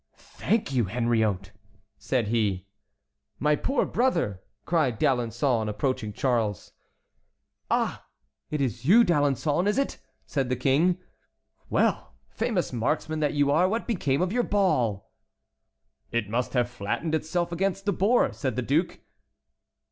"Thank you, Henriot!" said he. "My poor brother!" cried D'Alençon, approaching Charles. "Ah! it is you, D'Alençon, is it?" said the King. "Well, famous marksman that you are, what became of your ball?" "It must have flattened itself against the boar," said the duke.